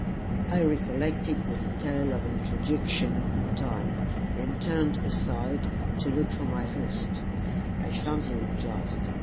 I recollected the detail of introduction in time, and turned aside to look for my host. I found him at last.